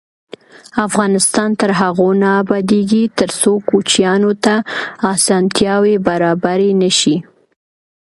افغانستان تر هغو نه ابادیږي، ترڅو کوچیانو ته اسانتیاوې برابرې نشي.